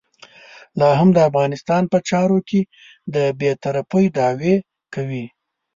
لا هم د افغانستان په چارو کې د بې طرفۍ دعوې کوي.